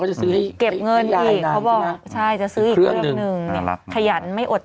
ค่ะ